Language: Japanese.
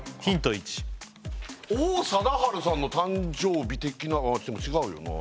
１王貞治さんの誕生日的なああでも違うよな